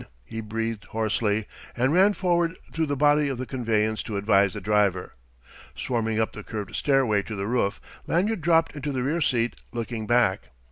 he breathed hoarsely, and ran forward through the body of the conveyance to advise the driver. Swarming up the curved stairway to the roof, Lanyard dropped into the rear seat, looking back.